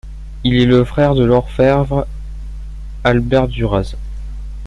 Il est le frère de l'orfèvre Albert Duraz.